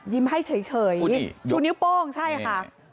ยิ้มให้เฉยชูนิ้วโป้งใช่ไหมค่ะ